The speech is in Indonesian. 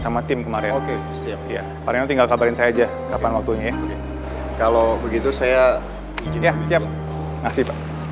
sama tim kemarin ya tinggal kabarin saja kalau begitu saya siap ngasih